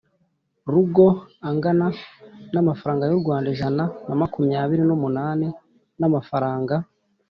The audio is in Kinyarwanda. rugo angana n amafaranga y u Rwanda ijana na makumyabiri n umunani n amafaranga